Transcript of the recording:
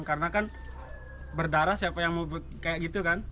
karena kan berdarah siapa yang mau kayak gitu kan